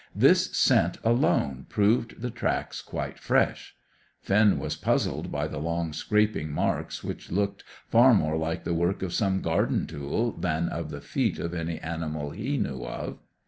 This scent alone proved the tracks quite fresh. Finn was puzzled by the long, scraping marks, which looked far more like the work of some garden tool than of the feet of any animal he knew of.